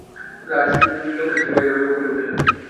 রাজলক্ষ্মী সিঁড়ি বাহিয়া উপরে উঠিলেন।